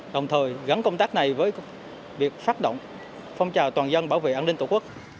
đồng thời gắn công tác này với việc phát động phong trào toàn dân bảo vệ an ninh tổ quốc